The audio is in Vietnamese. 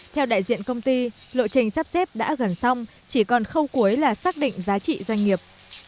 theo đại diện công ty lộ trình sắp xếp đã gần xong chỉ còn khâu cuối là xác định giá trị doanh nghiệp